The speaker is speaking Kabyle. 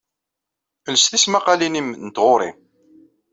Els tismaqqalin-nnem n tɣuri.